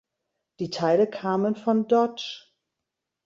Die Teile kamen von Dodge.